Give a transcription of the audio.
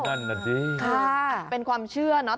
นั่นแหละดิค่ะเป็นความเชื่อเนอะ